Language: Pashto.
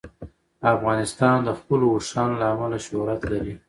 افغانستان د خپلو اوښانو له امله شهرت لري.